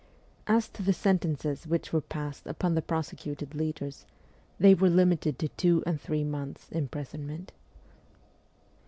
As to the sentences which were passed upon the prosecuted leaders, they were limited to two and three months' imprisonment.